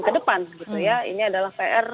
ke depan ini adalah pr